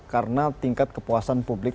karena tingkat kepuasan publik